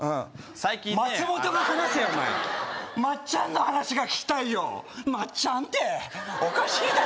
最近ね松本が話せよお前まっちゃんの話が聞きたいよ「まっちゃん」っておかしいだろお前